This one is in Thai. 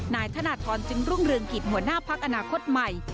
นายธนทรจึงรุ่งเรืองกิจหัวหน้าพักอนาคตใหม่